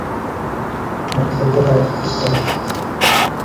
Motorcycle আর পিস্তল!